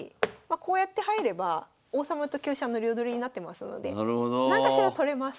こうやって入れば王様と香車の両取りになってますのでなんかしら取れます。